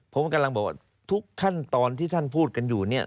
ผมกำลังบอกว่าทุกขั้นตอนที่ท่านพูดกันอยู่เนี่ย